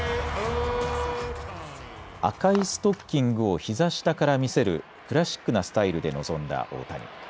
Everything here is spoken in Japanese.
赤いストッキングをひざ下から見せるクラシックなスタイルで臨んだ大谷。